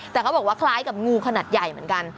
แต่เขาบอกว่าคล้ายกับงูขนาดใหญ่เหมือนกัน